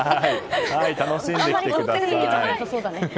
楽しんできてください！